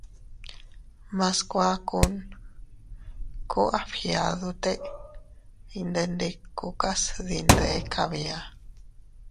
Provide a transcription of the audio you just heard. Mas kuakun ku a fgiadute iydendikukas dinde kabia.